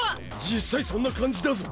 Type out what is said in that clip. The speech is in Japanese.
実際そんな感じだぞ。